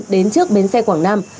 đến trước bến xe quảng nam